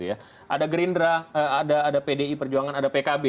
ada gerindra ada pdi perjuangan ada pkb